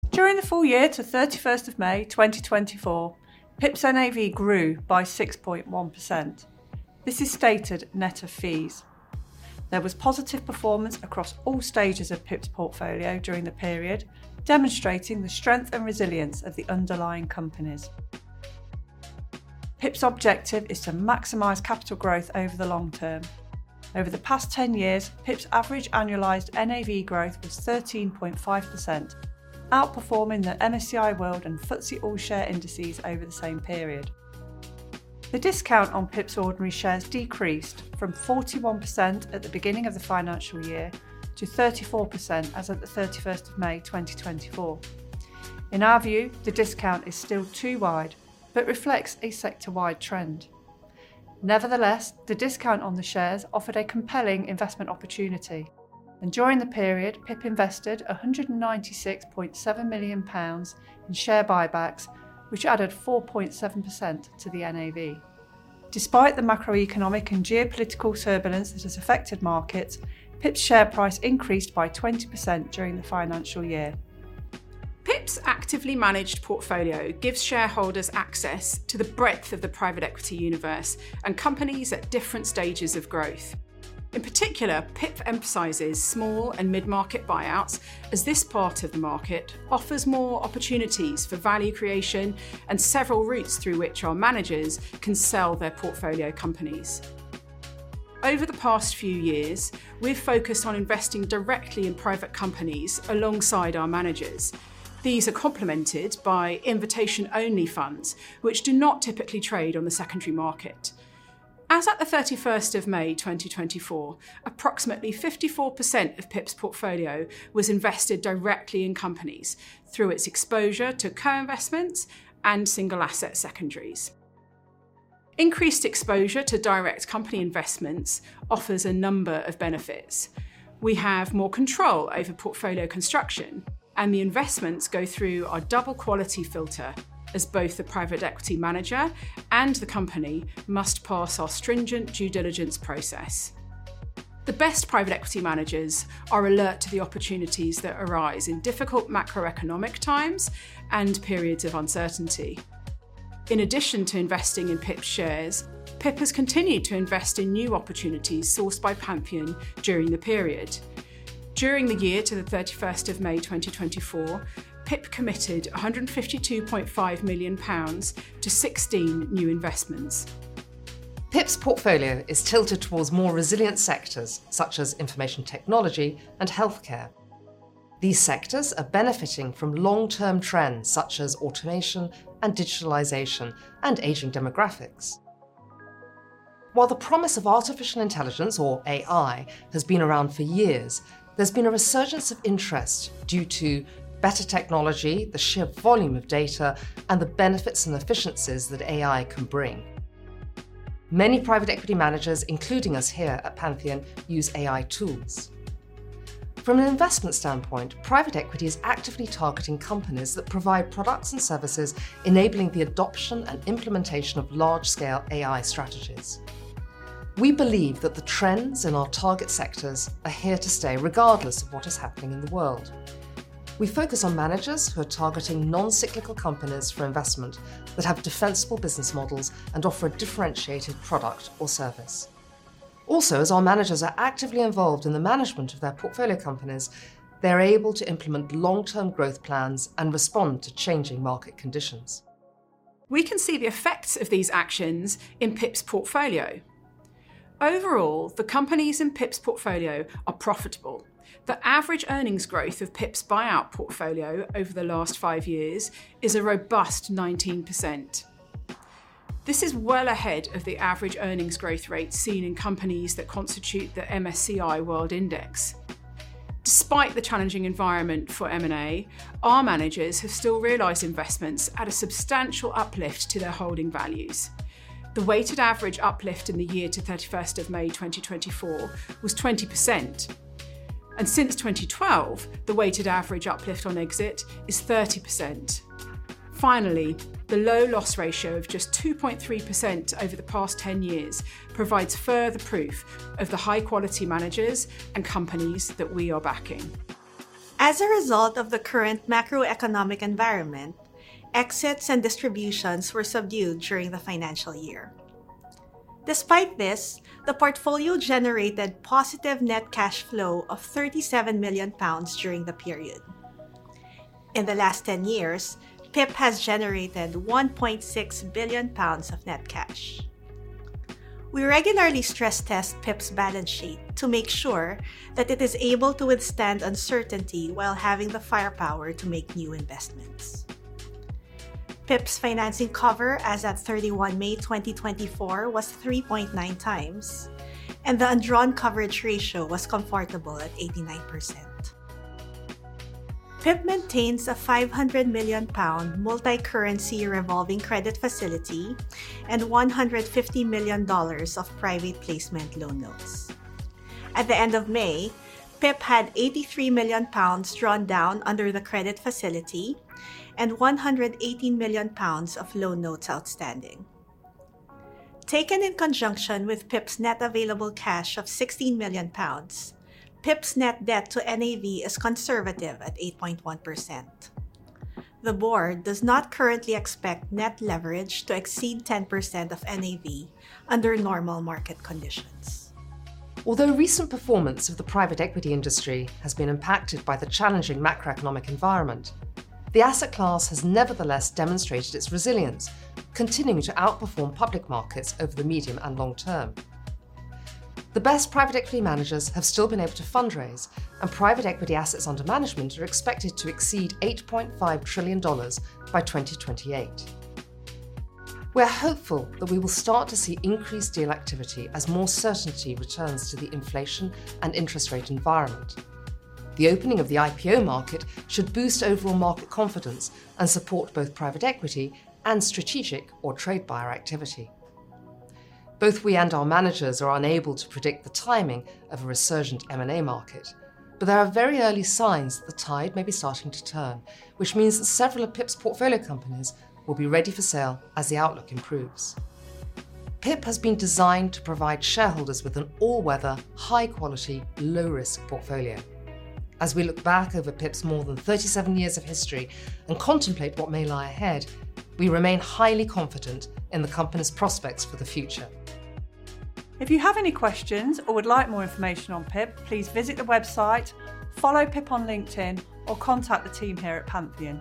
During the full year to 31st of May 2024, PIP's NAV grew by 6.1%. This is stated net of fees. There was positive performance across all stages of PIP's portfolio during the period, demonstrating the strength and resilience of the underlying companies. PIP's objective is to maximize capital growth over the long term. Over the past 10 years, PIP's average annualized NAV growth was 13.5%, outperforming the MSCI World and FTSE All-Share Indices over the same period. The discount on PIP's ordinary shares decreased from 41% at the beginning of the financial year to 34% as of the 31st of May 2024. In our view, the discount is still too wide, but reflects a sector-wide trend. Nevertheless, the discount on the shares offered a compelling investment opportunity, and during the period, PIP invested 196.7 million pounds in share buybacks, which added 4.7% to the NAV. Despite the macroeconomic and geopolitical turbulence that has affected markets, PIP's share price increased by 20% during the financial year. PIP's actively managed portfolio gives shareholders access to the breadth of the private equity universe and companies at different stages of growth. In particular, PIP emphasizes small and mid-market buyouts, as this part of the market offers more opportunities for value creation and several routes through which our managers can sell their portfolio companies. Over the past few years, we've focused on investing directly in private companies alongside our managers. These are complemented by invitation-only funds, which do not typically trade on the secondary market. As at the 31st of May 2024, approximately 54% of PIP's portfolio was invested directly in companies through its exposure to co-investments and single-asset secondaries. Increased exposure to direct company investments offers a number of benefits. We have more control over portfolio construction, and the investments go through our double-quality filter, as both the private equity manager and the company must pass our stringent due diligence process. The best private equity managers are alert to the opportunities that arise in difficult macroeconomic times and periods of uncertainty. In addition to investing in PIP shares, PIP has continued to invest in new opportunities sourced by Pantheon during the period. During the year to the 31st of May 2024, PIP committed 152.5 million pounds to 16 new investments. PIP's portfolio is tilted towards more resilient sectors, such as information technology and healthcare. These sectors are benefiting from long-term trends, such as automation and digitalization and aging demographics. While the promise of artificial intelligence, or AI, has been around for years, there's been a resurgence of interest due to better technology, the sheer volume of data, and the benefits and efficiencies that AI can bring. Many private equity managers, including us here at Pantheon, use AI tools. From an investment standpoint, private equity is actively targeting companies that provide products and services, enabling the adoption and implementation of large-scale AI strategies. We believe that the trends in our target sectors are here to stay, regardless of what is happening in the world. We focus on managers who are targeting non-cyclical companies for investment, that have defensible business models and offer a differentiated product or service. Also, as our managers are actively involved in the management of their portfolio companies, they're able to implement long-term growth plans and respond to changing market conditions. We can see the effects of these actions in PIP's portfolio. Overall, the companies in PIP's portfolio are profitable. The average earnings growth of PIP's buyout portfolio over the last five years is a robust 19%. This is well ahead of the average earnings growth rate seen in companies that constitute the MSCI World Index. Despite the challenging environment for M&A, our managers have still realized investments at a substantial uplift to their holding values. The weighted average uplift in the year to 31st of May 2024 was 20%, and since 2012, the weighted average uplift on exit is 30%. Finally, the low loss ratio of just 2.3% over the past 10 years provides further proof of the high-quality managers and companies that we are backing. As a result of the current macroeconomic environment, exits and distributions were subdued during the financial year. Despite this, the portfolio generated positive net cash flow of 37 million pounds during the period. In the last 10 years, PIP has generated 1.6 billion pounds of net cash. We regularly stress test PIP's balance sheet to make sure that it is able to withstand uncertainty while having the firepower to make new investments. PIP's financing cover as at 31 May 2024, was 3.9 times, and the undrawn coverage ratio was comfortable at 89%. PIP maintains a 500 million pound multi-currency revolving credit facility and $150 million of private placement loan notes. At the end of May, PIP had 83 million pounds drawn down under the credit facility and 118 million pounds of loan notes outstanding. Taken in conjunction with PIP's net available cash of GBP 16 million, PIP's net debt to NAV is conservative at 8.1%. The Board does not currently expect net leverage to exceed 10% of NAV under normal market conditions. Although recent performance of the private equity industry has been impacted by the challenging macroeconomic environment, the asset class has nevertheless demonstrated its resilience, continuing to outperform public markets over the medium and long term. The best private equity managers have still been able to fundraise, and private equity assets under management are expected to exceed $8.5 trillion by 2028. We're hopeful that we will start to see increased deal activity as more certainty returns to the inflation and interest rate environment. The opening of the IPO market should boost overall market confidence and support both private equity and strategic or trade buyer activity. Both we and our managers are unable to predict the timing of a resurgent M&A market, but there are very early signs that the tide may be starting to turn, which means that several of PIP's portfolio companies will be ready for sale as the outlook improves. PIP has been designed to provide shareholders with an all-weather, high-quality, low-risk portfolio. As we look back over PIP's more than 37 years of history and contemplate what may lie ahead, we remain highly confident in the company's prospects for the future. If you have any questions or would like more information on PIP, please visit the website, follow PIP on LinkedIn, or contact the team here at Pantheon.